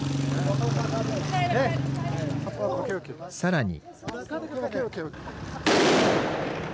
さらに。